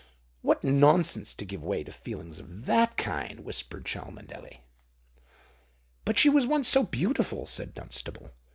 "What nonsense to give way to feelings of that kind!" whispered Cholmondeley. "But she was once so beautiful!" said Dunstable.